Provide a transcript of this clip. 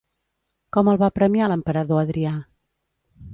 Com el va premiar l'emperador Adrià?